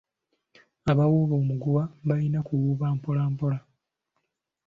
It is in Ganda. Abawuuba omuguwa balina kuwuuba mpola mpola.